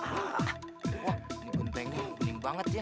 wah ini gempengin bening banget ya